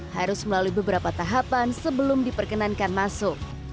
harus melalui beberapa tahapan sebelum diperkenankan masuk